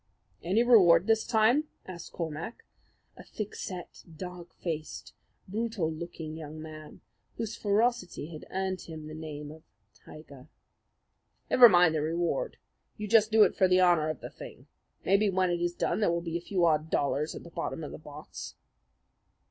"Any reward this time?" asked Cormac, a thick set, dark faced, brutal looking young man, whose ferocity had earned him the nickname of "Tiger." "Never mind the reward. You just do it for the honour of the thing. Maybe when it is done there will be a few odd dollars at the bottom of the box."